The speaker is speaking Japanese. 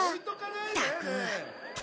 ったく。